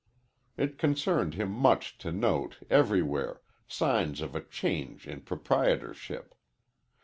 It concerned him much to note, everywhere, signs of a change in proprietorship.